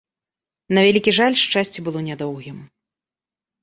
На вялікі жаль, шчасце было нядоўгім.